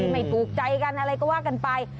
ไม่ถูกใจกันอะไรก็ว่ากันไป